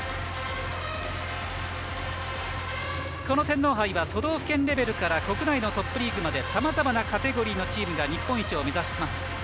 この天皇杯は都道府県レベルから国内のトップリーグまでさまざまなカテゴリーのチームが日本一を目指します。